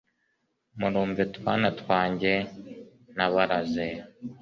murumve twana twanjye nabaraze